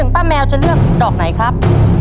ป้าแมวจะเลือกดอกไหนครับ